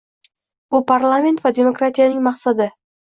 Bu parlament va demokratiyaning maqsadi